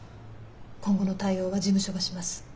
今後の対応は事務所がします。